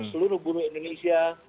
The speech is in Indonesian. seluruh buruh indonesia